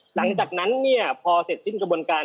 หลังจากนั้นเนี่ยพอเสร็จสิ้นกระบวนการ